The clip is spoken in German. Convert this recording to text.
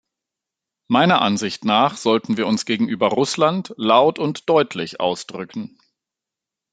Meiner Ansicht nach sollten wir uns gegenüber Russland laut und deutlich ausdrücken.